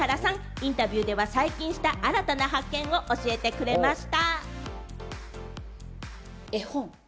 インタビューでは最近した新たな発見を教えてくれました。